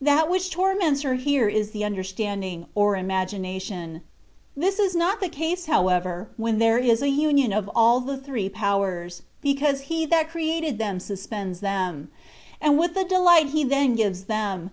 That which torments her here is the understanding, or imagination. This is not the case, however, when there is a union of all the three powers, because He that created them suspends them: and with the delight He then gives them.